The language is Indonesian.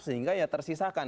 sehingga ya tersisakan